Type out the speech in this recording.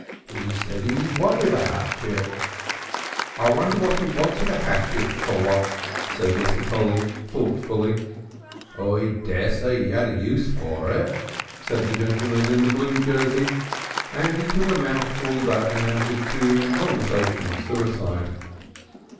"'E said 'e wanted a 'atchet." "I wonder what he wanted a hatchet for?" said Mr. Polly, thoughtfully. "I dessay 'e 'ad a use for it," said the gentleman in the blue jersey, and he took a mouthful that amounted to conversational suicide.